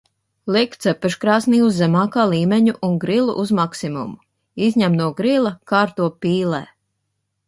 Liek cepeškrāsnī uz zemākā līmeņa un grilu uz maksimumu. Izņem no grila, kārto pīlē.